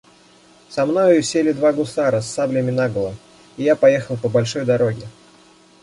Со мною сели два гусара с саблями наголо, и я поехал по большой дороге.